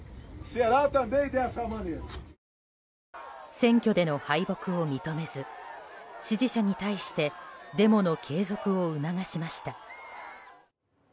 選挙での敗北を認めず支持者に対してデモの継続を促しました。